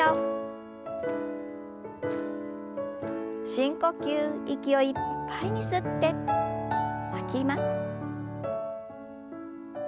深呼吸息をいっぱいに吸って吐きます。